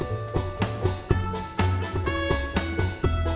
tolong jangan surplusaka